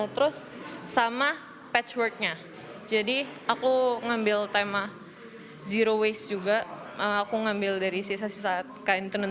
terus sama patchworknya jadi aku ngambil tema zero waste juga aku ngambil dari sisa sisa kain tenun